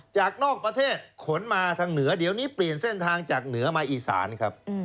จากนอกประเทศขนมาทางเหนือเดี๋ยวนี้เปลี่ยนเส้นทางจากเหนือมาอีสานครับ